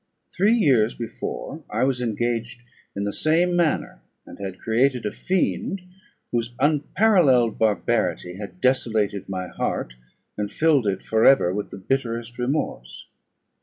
Three years before I was engaged in the same manner, and had created a fiend whose unparalleled barbarity had desolated my heart, and filled it for ever with the bitterest remorse.